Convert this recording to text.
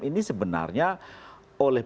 ini sebenarnya oleh